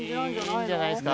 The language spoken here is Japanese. いいんじゃないですか。